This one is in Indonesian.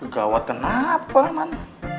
gawat kenapa man